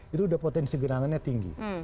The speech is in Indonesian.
itu udah potensi gerangannya tinggi